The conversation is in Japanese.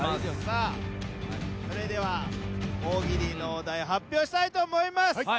さあそれでは大喜利のお題発表したいと思います。